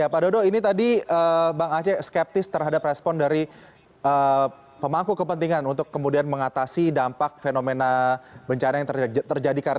pak dodo ini tadi bang aceh skeptis terhadap respon dari pemangku kepentingan untuk kemudian mengatasi dampak